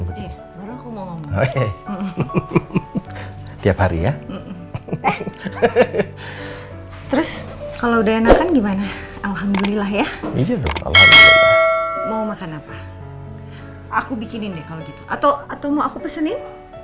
atau mau aku pesenin